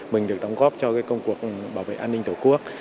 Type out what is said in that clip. mình được đóng góp cho công cuộc bảo vệ an ninh tổ quốc